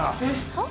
はっ？